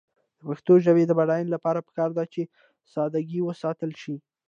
د پښتو ژبې د بډاینې لپاره پکار ده چې ساده ګي وساتل شي.